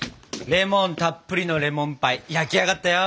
レモンたっぷりのレモンパイ焼き上がったよ！